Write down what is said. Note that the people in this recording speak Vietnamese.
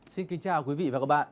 xin kính chào quý vị và các bạn